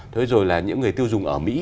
thế rồi là những người tiêu dùng ở mỹ